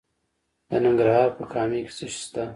د ننګرهار په کامه کې څه شی شته؟